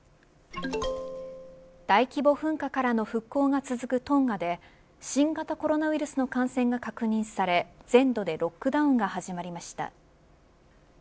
大規模噴火からの復興が続くトンガで新型コロナウイルスの感染が確認され全土でロックダウンが始まりました。